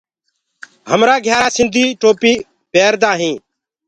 همرآ گھِيآرآ سنڌي ٽوپيٚ پيردآ هينٚ۔